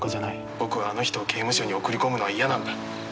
僕はあの人を刑務所に送り込むのは嫌なんだ。